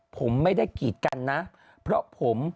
ผมไม่ได้กีดกันนะเพราะผม